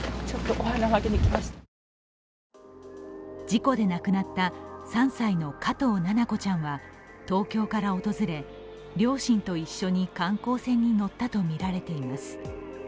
事故で亡くなった３歳の加藤七菜子ちゃんは東京から訪れ両親と一緒に観光船に乗ったとみられています。